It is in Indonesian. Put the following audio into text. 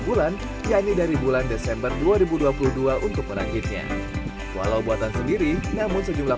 bulan yakni dari bulan desember dua ribu dua puluh dua untuk merakitnya walau buatan sendiri namun sejumlah